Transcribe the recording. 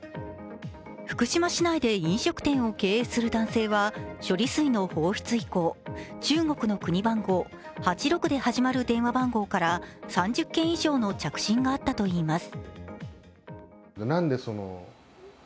福島市内で飲食店を経営する男性は処理水の放出以降、中国の国番号８６で始まる電話番号から３０件以上の着信があったといいます。